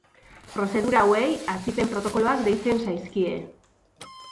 Prozedura hauei atzipen protokoloak deitzen zaizkie.